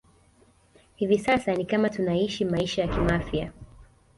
Hivi sasa ni kama tunaishi maisha ya kimafia